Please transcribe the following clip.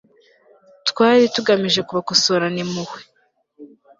kwari kugamije kubakosorana impuhwe